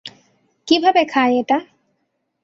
কীভাবে খায় এটা?